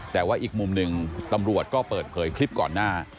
แต่ว่าอีกมุมหนึ่งตำรวจก็เปิดเผยคลิปก่อนหน้า